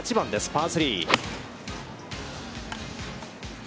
パー３。